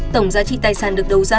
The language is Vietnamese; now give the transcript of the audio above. tổng giá trị tài sản được đấu giá